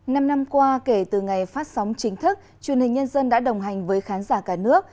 năm năm qua kể từ ngày phát sóng chính thức truyền hình nhân dân đã đồng hành với khán giả cả nước